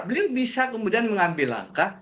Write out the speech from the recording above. beliau bisa kemudian mengambil langkah